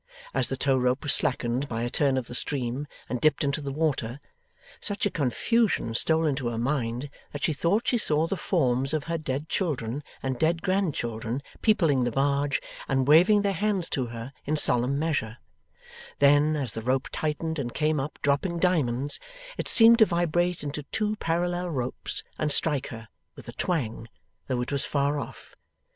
As the tow rope was slackened by a turn of the stream and dipped into the water, such a confusion stole into her mind that she thought she saw the forms of her dead children and dead grandchildren peopling the barge, and waving their hands to her in solemn measure; then, as the rope tightened and came up, dropping diamonds, it seemed to vibrate into two parallel ropes and strike her, with a twang, though it was far off.